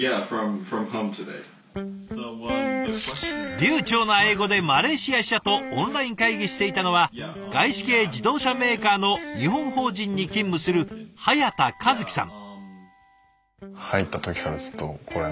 流ちょうな英語でマレーシア支社とオンライン会議していたのは外資系自動車メーカーの日本法人に勤務する早田一希さん。